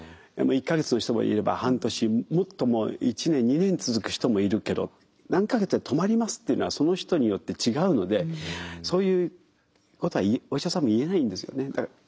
１か月の人もいれば半年もっともう１年２年続く人もいるけど何か月で止まりますっていうのはその人によって違うのでそういうことはお医者さんも言えないんですよね。